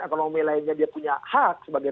ekonomi lainnya dia punya hak sebagai